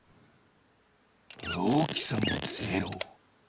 おおきさもゼロ！